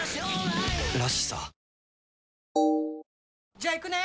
じゃあ行くね！